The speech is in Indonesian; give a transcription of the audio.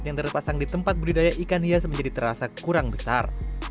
yang terpasang di tempat budidaya ikan hias menjadi terasa kurang besar